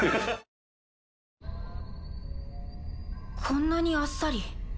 こんなにあっさり。